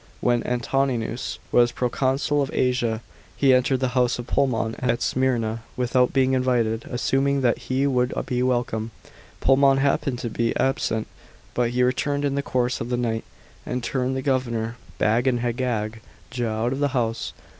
When Antoninus was proconsul of Asia, he entered the house of Polemon at Smyrna, without being invited, assuming that he would be welcome. Polemon happened to he absent, but he returned in the course of the night, and turned the governor, bag and haggag'j, out of his house.